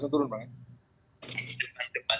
saya langsung turun pak